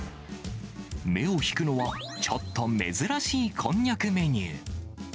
目を引くのは、ちょっと珍しいこんにゃくメニュー。